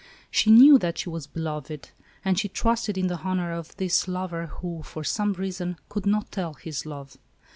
She knew that she was beloved, and she trusted in the honor of this lover who, for some reason, could not tell his love.